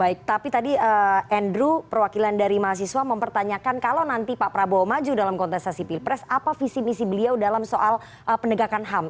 baik tapi tadi andrew perwakilan dari mahasiswa mempertanyakan kalau nanti pak prabowo maju dalam kontestasi pilpres apa visi misi beliau dalam soal penegakan ham